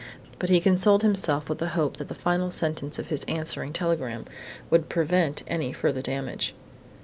But he consoled himself with the hope that the final sentence of his answering telegram would prevent any further damage.